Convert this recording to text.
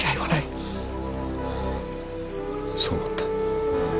そう思った。